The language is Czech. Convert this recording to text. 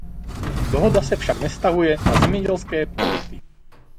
Dohoda se však nevztahuje na zemědělské produkty.